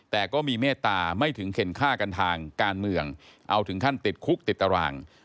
แต่ก็มีเมตตาไม่ถึงเข็นค่ากันทางการเมืองเอาถึงขั้นติดคุกติดตาราง